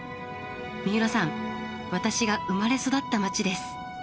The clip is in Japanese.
三浦さん私が生まれ育った町です。